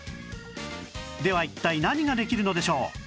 では一体何ができるのでしょう？